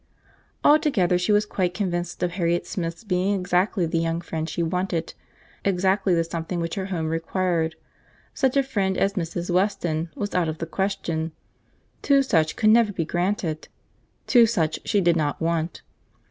Altogether she was quite convinced of Harriet Smith's being exactly the young friend she wanted—exactly the something which her home required. Such a friend as Mrs. Weston was out of the question. Two such could never be granted. Two such she did not want.